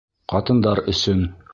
Ҡатындар өсөн!